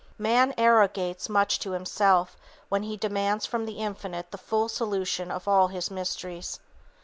Man arrogates much to himself when he demands from the Infinite the full solution of all His mysteries.